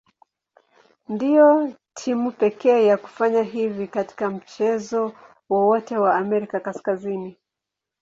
Ndio timu pekee ya kufanya hivi katika mchezo wowote wa Amerika Kaskazini.